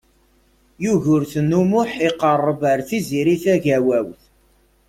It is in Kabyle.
Yugurten U Muḥ iqerreb ar Tiziri Tagawawt.